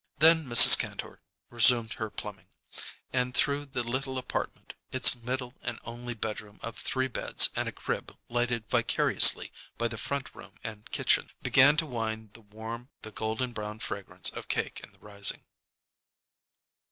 Then Mrs. Kantor resumed her plumbing, and through the little apartment, its middle and only bedroom of three beds and a crib lighted vicariously by the front room and kitchen, began to wind the warm, the golden brown fragrance of cake in the rising.